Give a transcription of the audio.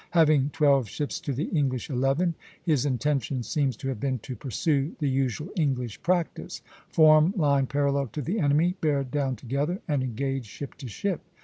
Having twelve ships to the English eleven, his intention seems to have been to pursue the usual English practice, form line parallel to the enemy, bear down together, and engage ship to ship.